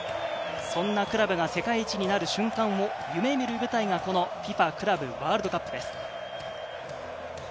そんなクラブが世界一になる瞬間を夢見る舞台がこのＦＩＦＡクラブワールドカップです。